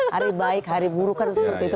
hari baik hari buruh kan seperti itu